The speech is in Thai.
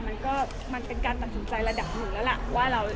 มันก็เป็นการตัดสนใจระดับหนึ่งแล้วล่ะ